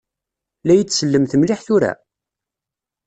La yi-d-sellemt mliḥ tura?